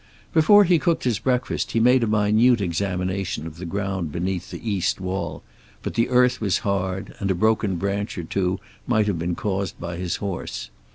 Before he cooked his breakfast he made a minute examination of the ground beneath the East wall, but the earth was hard, and a broken branch or two might have been caused by his horse.